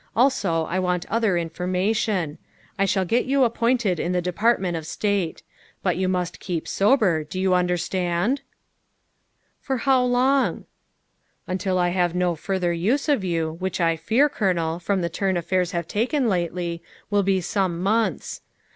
Also I want other information. I shall get you appointed in the Department of State. But you must keep sober, do you understand?" " For how long?" ' Until I have no further use for you, which I fear, Colonel, from the turn aflairs have taken lately, will be some months.